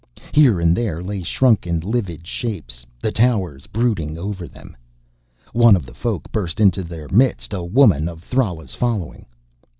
Here and there lay shrunken, livid shapes, the towers brooding over them. One of the Folk burst into their midst, a woman of Thrala's following.